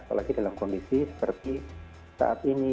apalagi dalam kondisi seperti saat ini